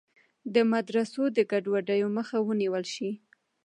د مدرسو د ګډوډیو مخه ونیول شي.